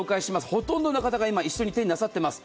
ほとんどの方が今一緒に手になさっています。